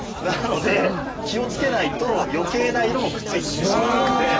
なので気を付けないと余計な色もくっついてきてしまうので。